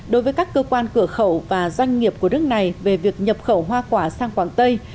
đối với các cơ quan cửa khẩu và doanh nghiệp của nước này về việc nhập khẩu hoa quả sang quảng tây